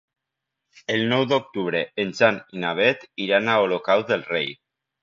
El nou d'octubre en Jan i na Beth iran a Olocau del Rei.